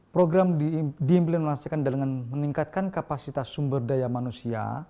program diimplementasikan dengan meningkatkan kapasitas sumber daya manusia